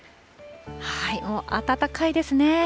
もう暖かいですね。